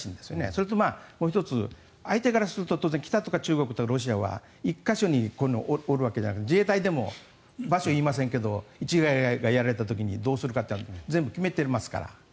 それと、もう１つ相手からすると当然、北とか中国とかロシアは１か所にいるわけじゃなくて自衛隊にも場所を言いませんけど市ヶ谷がやられた時にどうするかって全部決めていますから。